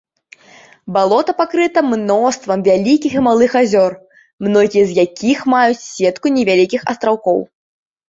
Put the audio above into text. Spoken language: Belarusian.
Балота пакрыта мноствам вялікіх і малых азёр, многія з якіх маюць сетку невялікіх астраўкоў.